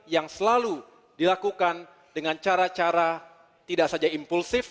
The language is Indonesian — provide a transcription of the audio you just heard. yang selalu dilakukan dengan cara cara tidak saja impulsif